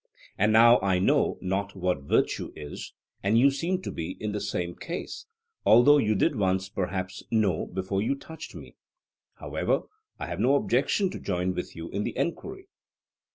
And now I know not what virtue is, and you seem to be in the same case, although you did once perhaps know before you touched me. However, I have no objection to join with you in the enquiry.